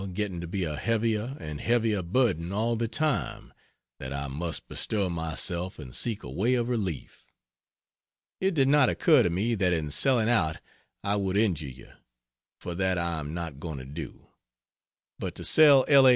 getting to be a heavier and heavier burden all the time, that I must bestir myself and seek a way of relief. It did not occur to me that in selling out I would injure you for that I am not going to do. But to sell L. A.